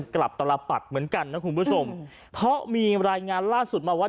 กลับตลปักเหมือนกันนะคุณผู้ชมเพราะมีรายงานล่าสุดมาว่า